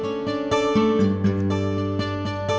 buat amin mana